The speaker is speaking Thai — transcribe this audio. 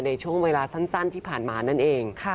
ในช่วงเวลาสั้นที่ผ่านมานั่นเอง